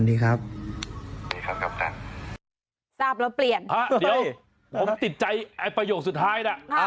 เดี๋ยวผมติดใจประโยคสุดท้าย